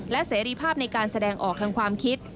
และเสรีภาพในการแสดงออกทางความคิด